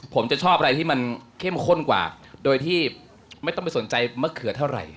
ผมจะชอบอะไรที่มันเข้มข้นกว่าโดยที่ไม่ต้องไปสนใจมะเขือเท่าไหร่